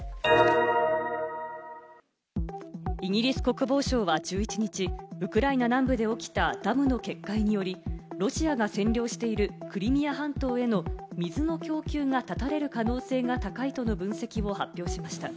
イギリス国防省は１１日、ウクライナ南部で起きたダムの決壊により、ロシアが占領しているクリミア半島への水の供給が断たれる可能性が高いとの分析を発表しました。